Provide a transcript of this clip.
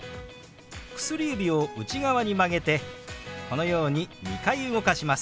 薬指を内側に曲げてこのように２回動かします。